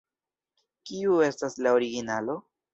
Kiu estas la originalo?